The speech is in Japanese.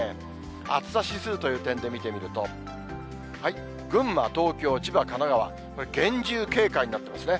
暑さ指数という点で見てみると、群馬、東京、千葉、神奈川、これ、厳重警戒になってますね。